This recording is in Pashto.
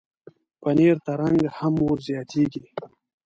پنېر ته رنګ هم ورزیاتېږي.